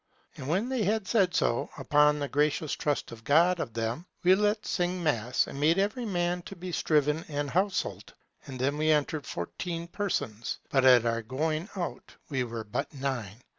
And when they had said so, upon the gracious trust of God and of them, we let sing mass, and made every man to be shriven and houseled. And then we entered fourteen persons; but at our going out we were but nine.